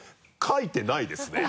「かいてないですね」